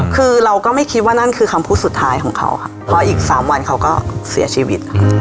คือเราก็ไม่คิดว่านั่นคือคำพูดสุดท้ายของเขาค่ะพออีก๓วันเขาก็เสียชีวิต